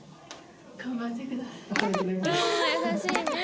頑張ってください。